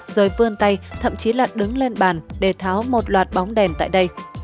rồi vươn tay thậm chí là đứng lên bàn để tháo một loạt bóng đèn tại đây